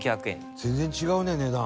全然違うね値段。